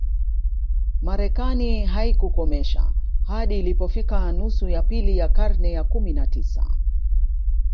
Marekani haikuikomesha hadi ilipofika nusu ya pili ya karne ya kumi na tisa